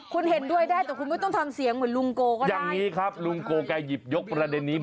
คุณเห็นด้วยได้แต่คุณไม่ต้องทำเสียงเหมือนลุงโกก็ได้